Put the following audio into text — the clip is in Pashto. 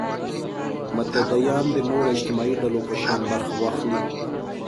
متدینان د نورو اجتماعي ډلو په شان برخه واخلي.